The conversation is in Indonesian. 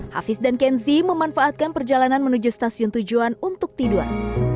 hafiz dan kenzi memanfaatkan perjalanan menuju stasiun tujuan untuk tidur